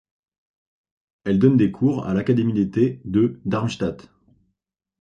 Elle donne des cours à l'académie d'été de Darmstadt.